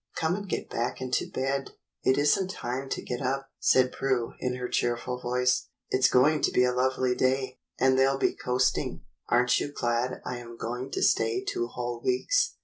"Come and get back into bed again; it is n't time to get up," said Prue, in her cheerful voice. "It's going to be a lovely day, and there'll be coasting. Are n't you glad I am going to stay two whole weeks